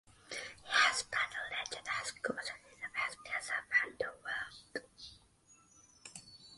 He has taught and lectured at schools and universities around the world.